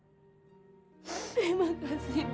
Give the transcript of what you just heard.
terima kasih ibu